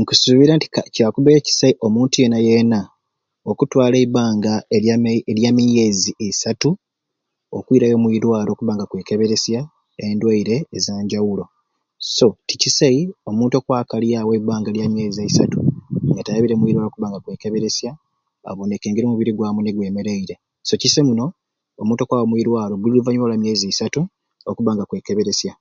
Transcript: Nkusuubira nti ka kyakubaire kisai omuntu yeena yeena okutwalya eibanga elya mye elya myezi isatu okwirayo omwirwaro okubba nga akwekeberesya endwaire eza njawulo so tikisai omuntu kwakalyawo eibanga lya myeezi isatu nga tayabire mwirwaliro okubba nga kwekeberesya abone ke ngeri omubiri gwamwe ni gwemereire so kisai muno omuntu okwaba omwirwaro buli oluvanyuma lwa myezi isatu okubba nga akwekeberesya.